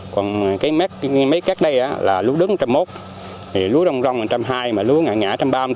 còn mấy cát đây là lúa đứng một trăm linh một lúa rong rong một trăm hai mươi lúa ngã ngã một trăm ba mươi bốn